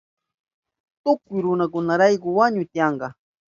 Tukuy runakunarayku wañuy tiyanka.